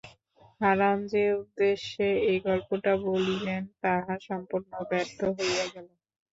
হারান যে উদ্দেশ্যে এই গল্পটা বলিলেন তাহা সম্পূর্ণ ব্যর্থ হইয়া গেল।